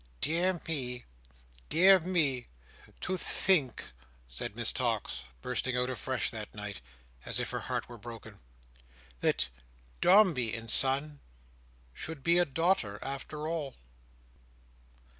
"Dear me, dear me! To think," said Miss Tox, bursting out afresh that night, as if her heart were broken, "that Dombey and Son should be a Daughter after all!"